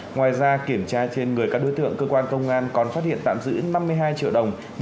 ngoài ra kiểm tra trên người các đối tượng cơ quan công an còn phát hiện tạm giữ năm mươi hai triệu đồng